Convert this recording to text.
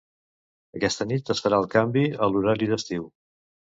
Aquesta nit es farà el canvi a l'horari d'estiu.